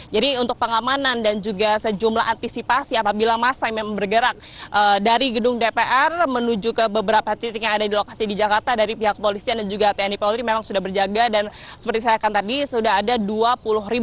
jadi untuk pengamanan dan juga sejumlah antisipasi apabila masa yang bergerak dari gedung dpr menuju ke beberapa titik yang ada di lokasi di jakarta dari pihak kepolisian dan juga tni polri memang sudah berjaga dan seperti saya katakan tadi sudah ada dua puluh rekomendasi